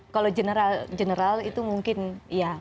kalau general general itu mungkin ya